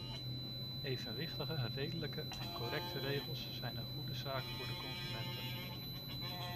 Evenwichtige, redelijke en correcte regels zijn een goede zaak voor de consumenten.